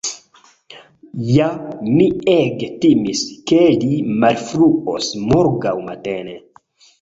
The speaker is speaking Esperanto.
Ja, mi ege timis, ke li malfruos morgaŭ matene.